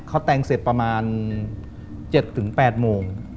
เขาแต่งเสร็จประมาณ๗๘โมง